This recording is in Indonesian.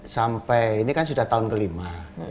sampai ini kan sudah tahun kelima